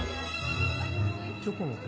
チョコの方。